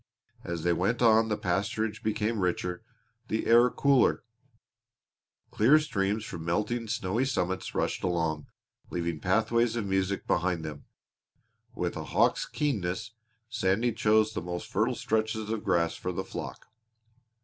As they went on the pasturage became richer, the air cooler. Clear streams from melting, snowy summits rushed along, leaving pathways of music behind them. With a hawk's keenness Sandy chose the most fertile stretches of grass for the flock.